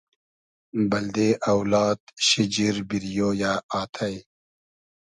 بئلدې اۆلاد شیجیر بیریۉ یۂ آتݷ